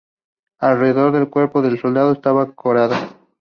Alrededor del cuerpo del soldado estaba la coraza.